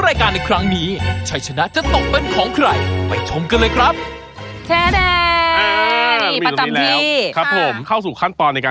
โอเคได้ไปเดี๋ยวเราไปดูกันดีกว่า